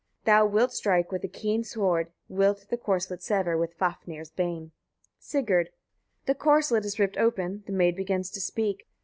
Thou wilt strike with a keen sword, wilt the corslet sever with Fafnir's bane. Sigurd. 16. The corslet is ript open, the maid begins to speak.